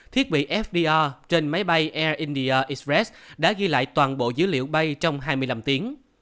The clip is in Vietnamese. thiết bị fda trên máy bay air india express đã ghi lại toàn bộ dữ liệu bay trong hai mươi năm tiếng